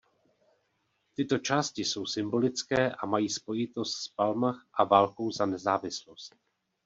Tyto části jsou symbolické a mají spojitost s Palmach a válkou za nezávislost.